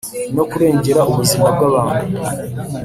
no kurengera ubuzima bw’abantu.